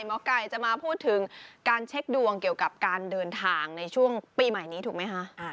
หมอไก่จะมาพูดถึงการเช็คดวงเกี่ยวกับการเดินทางในช่วงปีใหม่นี้ถูกไหมคะ